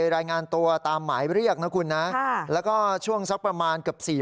เขาดีฝายอันนี้ได้ติดต่อช่วยทางพอบ้างหรือเปล่า